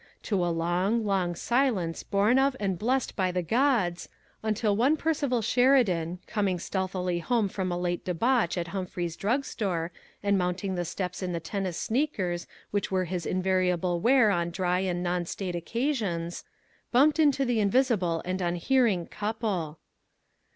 to a long, long silence born of and blessed by the gods... until one Percival Sheridan, coming stealthily home from a late debauch at Humphrey's drug store, and mounting the steps in the tennis sneakers which were his invariable wear on dry and non state occasions, bumped into the invisible and unhearing couple.